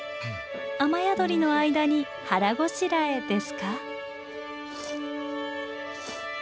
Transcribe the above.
雨宿りの間に腹ごしらえですか？